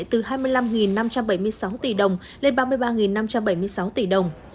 từ hai mươi năm năm trăm bảy mươi sáu tỷ đồng lên ba mươi ba năm trăm bảy mươi sáu tỷ đồng